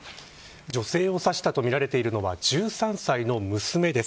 女性を刺したとみられているのは１３歳の娘です。